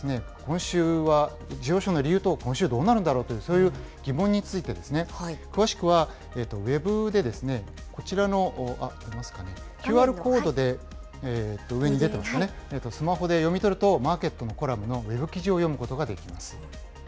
この上昇の理由を今週は上昇の理由と、今週どうなるんだろうという、そういう疑問について、詳しくはウェブでこちらの、出ますかね、ＱＲコードで、上に出てますね、スマホで読み取るとマーケットのコラムのウェブ記事を読むことができます。